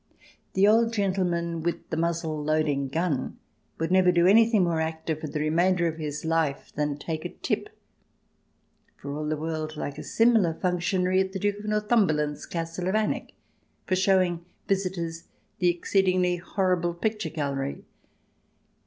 The old gentleman with the muzzle loading gun would never do anything more active for the remainder of his life than take a tip> for all the world like a similar functionary at the Duke of North umberland's castle of Alnwick, for showing visitors the exceedingly horrible picture gallery.